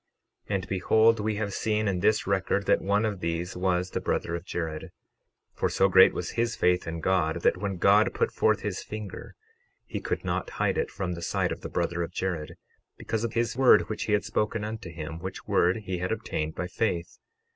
12:20 And behold, we have seen in this record that one of these was the brother of Jared; for so great was his faith in God, that when God put forth his finger he could not hide it from the sight of the brother of Jared, because of his word which he had spoken unto him, which word he had obtained by faith.